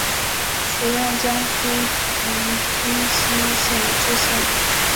署任江苏荆溪县知县。